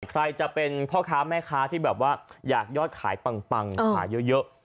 ใครจะเป็นพ่อค้าแม่ค้าที่แบบว่าอยากยอดขายปังขายเยอะ